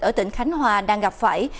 ở tỉnh khánh hòa đang gặp phải